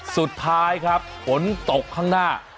สุดท้ายครับฝนตกข้างหน้า